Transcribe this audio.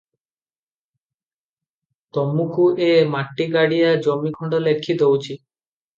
ତମୁକୁ ଏ ମାଟିଗାଡ଼ିଆ ଜମିଖଣ୍ଡ ଲେଖି ଦଉଚି ।